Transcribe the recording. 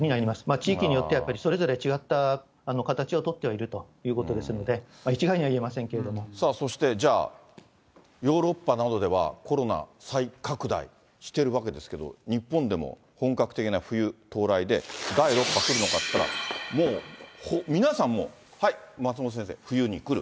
地域によって、それぞれ違った形を取ってはいるということですので、さあそして、じゃあヨーロッパなどではコロナ再拡大しているわけですけど、日本でも本格的な冬到来で、第６波来るのかっていったら、もう、皆さんもう、はい、松本先生、冬に来る。